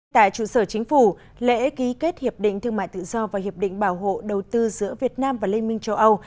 tại trụ sở chính phủ lễ ký kết hiệp định thương mại tự do và hiệp định bảo hộ đầu tư giữa việt nam và liên minh châu âu